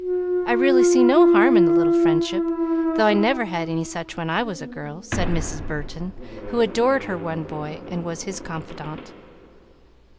I really see no harm in the little friendship, though I never had any such when I was a girl," said Mrs. Burton, who adored her one boy and was his confidante.